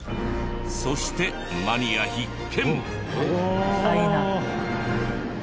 そしてマニア必見！